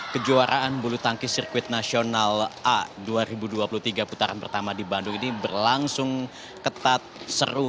kejuaraan bulu tangkis sirkuit nasional a dua ribu dua puluh tiga putaran pertama di bandung ini berlangsung ketat seru